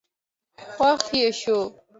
خوښه يې شوه.